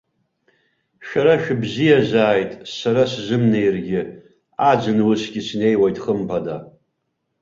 Шәара шәыбзиазааит, сара сзымнеиргьы, аӡын усгьы снеиуеит хымԥада.